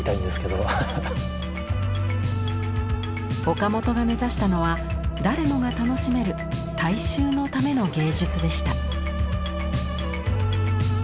岡本が目指したのは誰もが楽しめる「大衆のための芸術」でした。